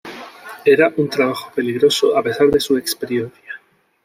Era un trabajo peligroso a pesar de su experiencia.